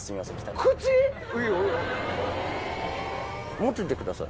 持っててください。